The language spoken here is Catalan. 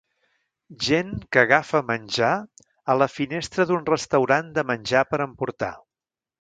Gent que agafa menjar a la finestra d'un restaurant de menjar per emportar.